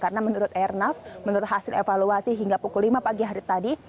karena menurut ernaf menurut hasil evaluasi hingga pukul lima pagi hari tadi